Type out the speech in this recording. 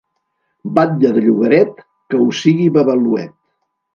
Batlle de llogaret, que ho siga Babaluet.